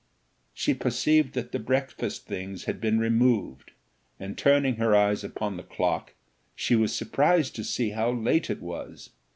She perceived that the breakfast things had been removed, and, turning her eyes upon the clock, she was surprised to see how late it was.